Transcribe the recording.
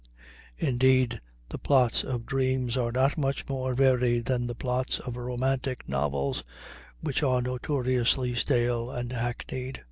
Indeed, the plots of dreams are not much more varied than the plots of romantic novels, which are notoriously stale and hackneyed.